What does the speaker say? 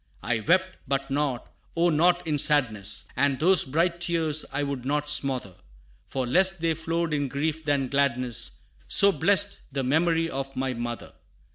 I wept, but not, oh not in sadness, And those bright tears I would not smother, For less they flowed in grief than gladness, So blest the memory of my mother.